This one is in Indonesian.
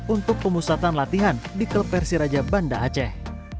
untuk pemusatan latihan di klub persiraja banda aceh